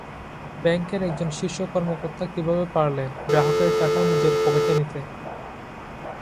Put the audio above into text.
ব্যাংকের একজন শীর্ষ কর্মকর্তা কীভাবে পারলেন গ্রাহকের টাকা নিজের পকেটে নিতে।